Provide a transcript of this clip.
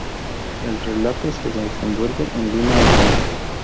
El relato se desenvuelve en la Lima urbana.